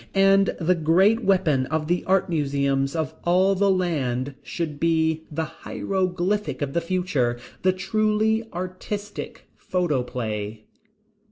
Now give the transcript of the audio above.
And the great weapon of the art museums of all the land should be the hieroglyphic of the future, the truly artistic photoplay.